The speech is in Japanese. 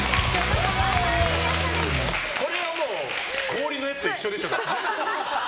これはもう氷のやつと一緒でしょ。